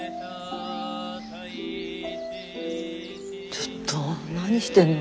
ちょっと何してんの？